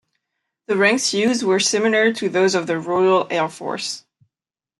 The ranks used were similar to those of the Royal Air Force.